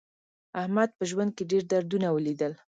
احمد په ژوند کې ډېر دردونه ولیدل.